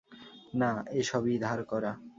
না, এ সবই ধার করা।